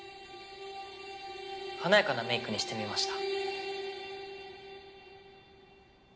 華やかなメイクにしてみました。